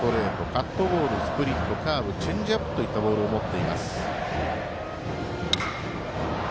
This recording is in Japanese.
カットボール、スプリットカーブチェンジアップといったボールを持っています。